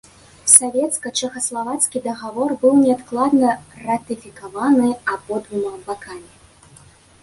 Савецка-чэхаславацкі дагавор быў неадкладна ратыфікаваны абодвума бакамі.